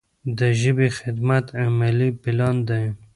د ژبې خدمت عملي پلان دی.